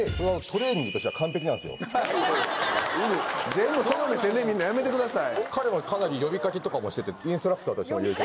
全部その目線で見るのやめてください。